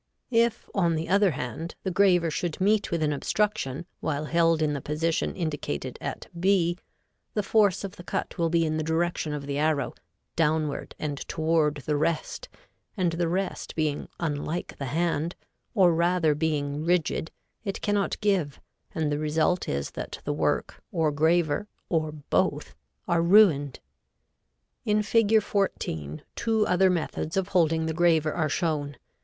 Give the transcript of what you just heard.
If, on the other hand, the graver should meet with an obstruction while held in the position indicated at B, the force of the cut will be in the direction of the arrow, downward and toward the rest, and the rest being unlike the hand, or rather being rigid, it cannot give, and the result is that the work, or graver, or both, are ruined. In Fig. 14 two other methods of holding the graver are shown.